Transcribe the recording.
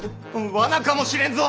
罠かもしれんぞ。